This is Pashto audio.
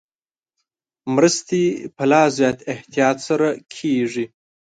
مرستې په لا زیات احتیاط سره کېږي.